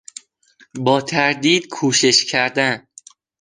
با تردید کوشش کردن